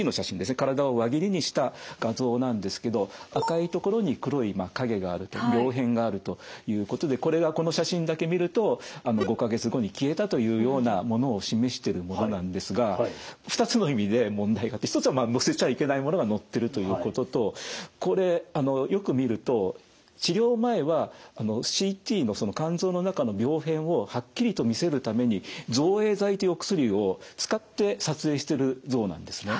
体を輪切りにした画像なんですけど赤い所に黒い影があると病変があるということでこれはこの写真だけ見ると５か月後に消えたというようなものを示してるものなんですが２つの意味で問題があって一つは載せちゃいけないものが載ってるということとこれよく見ると治療前はＣＴの肝臓の中の病変をはっきりと見せるために造影剤というお薬を使って撮影してる像なんですね。